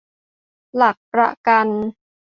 หลักประกัน